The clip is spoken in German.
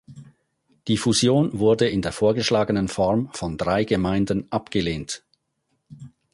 Die Fusion wurde in der vorgeschlagenen Form von drei Gemeinden abgelehnt.